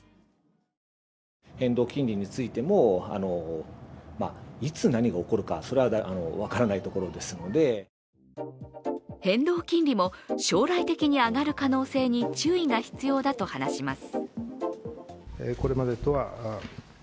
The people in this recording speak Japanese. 変動金利も将来的に上がる可能性に注意が必要だと話します。